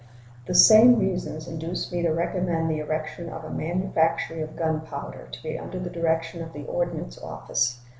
The same reasons induce me to recommend the erection of a manufactory of gunpowder, to be under the direction of the Ordnance Office.